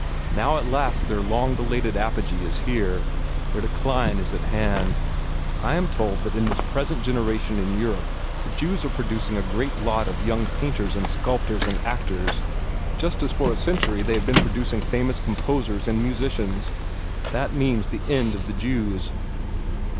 Now at last their long belated apogee is here; their decline is at hand. I am told that in this present generation in Europe the Jews are producing a great lot of young painters and sculptors and actors, just as for a century they have been producing famous composers and musicians. That means the end of the Jews!"